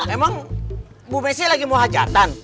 emang bu messi lagi mau hajatan